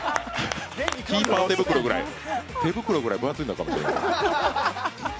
キーパー手袋ぐらい分厚いのかもしれない。